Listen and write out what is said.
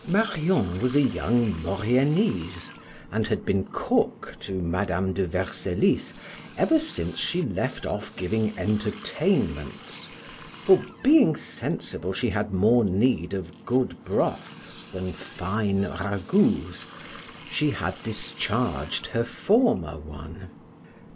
Marion was a young Mauriennese, and had been cook to Madam de Vercellis ever since she left off giving entertainments, for being sensible she had more need of good broths than fine ragouts, she had discharged her former one.